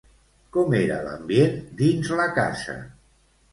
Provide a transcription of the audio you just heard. Com era l'ambient dins la casa?